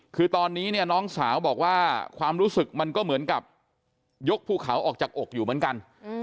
คือตอนนี้เนี่ยน้องสาวบอกว่าความรู้สึกมันก็เหมือนกับยกภูเขาออกจากอกอยู่เหมือนกัน